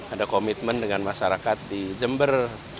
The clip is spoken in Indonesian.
ada komitmen dengan masyarakat di jember